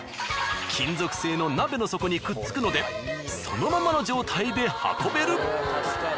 金属製の鍋の底にくっつくのでそのままの状態で運べる。